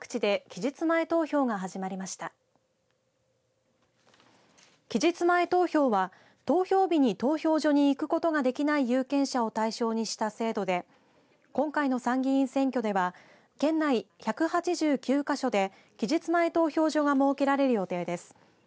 期日前投票は投票日に投票所に行くことができない有権者を対象にした制度で今回の参議院選挙では県内１８９か所で期日前投票所が設けられる予定です。